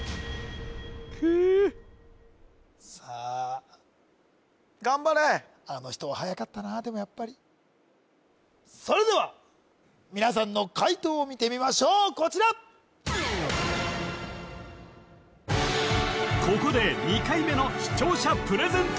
くーっさあ頑張れあの人ははやかったなでもやっぱりそれでは皆さんの解答を見てみましょうこちらここで２回目の視聴者プレゼント